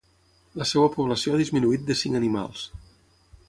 La seva població ha disminuït de cinc animals.